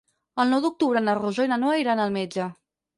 El nou d'octubre na Rosó i na Noa iran al metge.